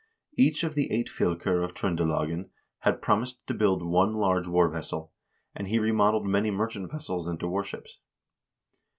Each of the eight fylker of Tr0ndelagen had promised to build one large war vessel, and he remodeled many merchant vessels into warships.